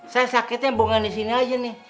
saya sakitnya bukan disini aja nih